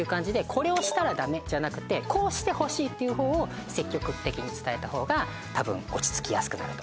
これをしたらダメじゃなくてこうしてほしいっていう方を積極的に伝えた方が多分落ち着きやすくなると思います。